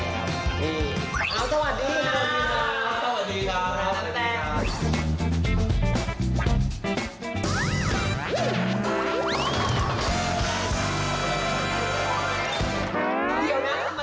แล้วสวัสดีค่ะสวัสดีค่ะสวัสดีค่ะหนักแปลงนี่ค่ะ